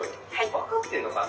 分かってんのか？